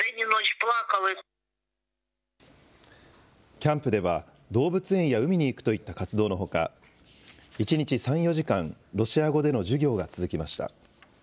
キャンプでは、動物園や海に行くといった活動のほか、１日３、４時間、ロシア語での授業が続きました。